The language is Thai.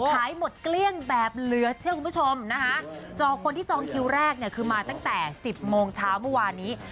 ขายหมดเกลี้ยงแบบเหลือเชื่อคุณผู้ชมนะคะจองคนที่จองคิวแรกเนี่ยคือมาตั้งแต่สิบโมงเช้าเมื่อวานนี้